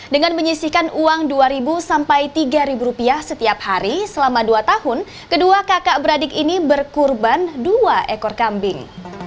dengan menyisihkan uang dua sampai rp tiga setiap hari selama dua tahun kedua kakak beradik ini berkurban dua ekor kambing